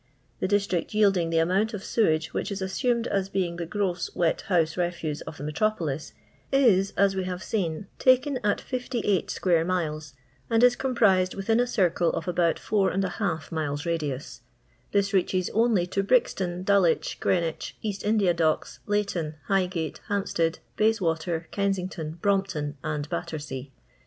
The district yielding the amount of sewage which is assumed as being the gross wet house refuse of the metropolis is, as we have seen, taken at 58 square miles, and is com prised within a circle of about 4| miles radius; this reaches only to Brixton, Dulwich, Greenwich, East India Docks, Lay ton, Highgate, Hampstead, Bayswater, Kensington, Brompton, and Battersea.